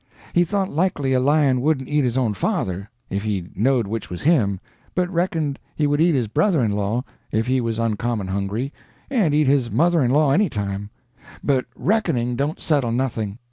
He thought likely a lion wouldn't eat his own father, if he knowed which was him, but reckoned he would eat his brother in law if he was uncommon hungry, and eat his mother in law any time. But reckoning don't settle nothing.